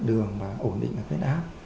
đường và ổn định phép áp